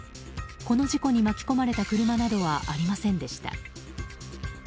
この事故に巻き込まれた車などはありませんでした。